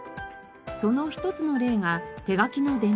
その一つの例が手書きの伝票。